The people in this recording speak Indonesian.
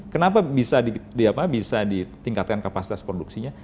kenapa bisa ditingkatkan kapasitas produksinya